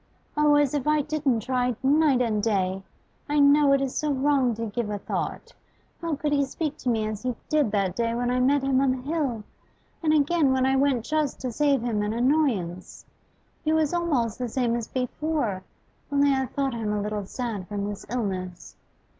'Oh, as if I didn't try night and day! I know it is so wrong to give a thought. How could he speak to me as he did that day when I met him on the hill, and again when I went just to save him an annoyance? He was almost the same as before, only I thought him a little sad from his illness.